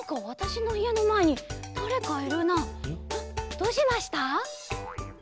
どうしました？